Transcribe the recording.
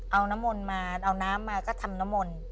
เอาน้ำน้ำมาก็ทำนมซ์